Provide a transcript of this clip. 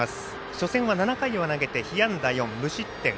初戦は７回を投げて被安打４、無失点。